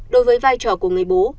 đối với vai trò của người bố